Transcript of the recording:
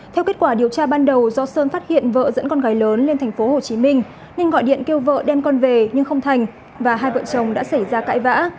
theo kết quả điều tra ban đầu do sơn phát hiện vợ dẫn con gái lớn lên thành phố hồ chí minh nên gọi điện kêu vợ đem con về nhưng không thành và hai vợ chồng đã xảy ra cãi vã